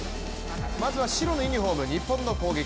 まずは白のユニフォーム、日本の攻撃。